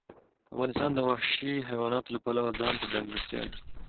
افغانستان د وحشي حیواناتو له پلوه ځانته ځانګړتیا لري.